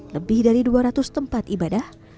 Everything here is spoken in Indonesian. lebih dari dua ratus tempat ibadah